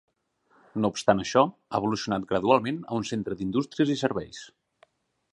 No obstant això, ha evolucionat gradualment a un centre d'indústries i serveis.